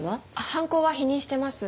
犯行は否認しています。